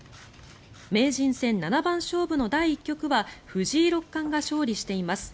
名人戦七番勝負の第１局は藤井六冠が勝利しています。